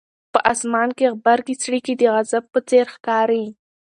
په اسمان کې غبرګې څړیکې د غضب په څېر ښکاري.